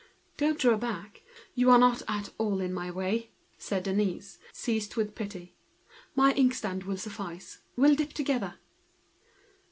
"Don't draw back, you are not at all in my way," said Denise, seized with pity for the poor girl. "My inkstand will suffice, we'll dip together."